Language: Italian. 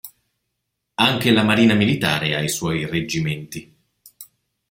Anche la Marina militare ha i suoi reggimenti.